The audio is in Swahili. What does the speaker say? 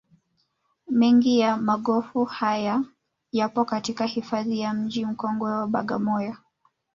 Mengi ya magofu haya yapo katika hifadhi ya mji mkongwe wa Bagamoyo